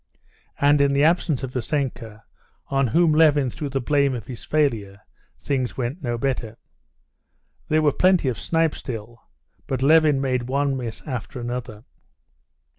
And in the absence of Vassenka, on whom Levin threw the blame of his failure, things went no better. There were plenty of snipe still, but Levin made one miss after another.